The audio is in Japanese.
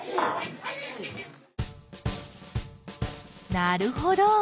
なるほど。